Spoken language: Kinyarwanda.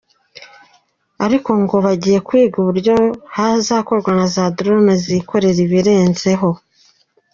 Ariko ngo hagiye kwigwa uburyo hazakorwa na “Dirone” zikorera ibirenzeho.